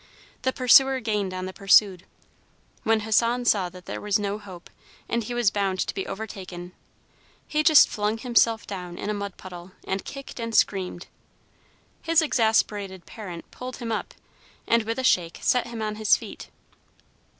The pursuer gained on the pursued. When Hassan saw that there was no hope, and he was bound to be overtaken, he just flung himself down in a mud puddle and kicked and screamed. His exasperated parent pulled him up, and, with a shake, set him on his feet.